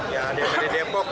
ya ada dpd depok